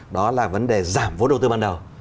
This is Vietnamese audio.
đó là vấn đề giảm vốn đầu tư ban đầu